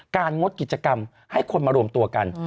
งดกิจกรรมให้คนมารวมตัวกัน